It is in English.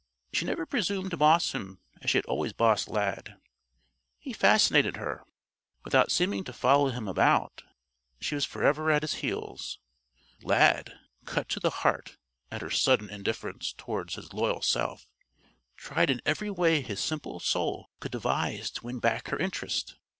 She never presumed to boss him as she had always bossed Lad. He fascinated her. Without seeming to follow him about, she was forever at his heels. Lad, cut to the heart at her sudden indifference toward his loyal self, tried in every way his simple soul could devise to win back her interest.